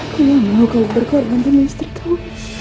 aku mau kau berkeluarga dengan istri kau